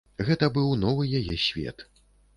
Гэта быў новы яе свет.